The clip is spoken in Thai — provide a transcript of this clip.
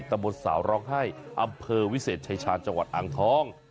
ตะบนสาวร้องไห้อำเภอวิเศษชายชาญจังหวัดอ่างทอง